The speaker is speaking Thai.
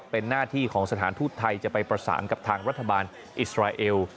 เป็นหน้าที่ของสถานทูตไทยจะไปประสานกับทางรัฐบาลอิสราเอล